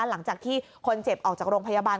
หลังจากที่คนเจ็บออกจากโรงพยาบาล